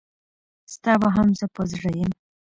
ستا به هم زه په زړه یم.